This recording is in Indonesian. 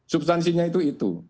substansinya itu itu